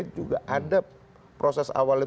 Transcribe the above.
juga ada proses awal itu